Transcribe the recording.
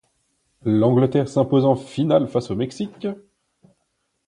L'Angleterre s'impose en finale face au Mexique.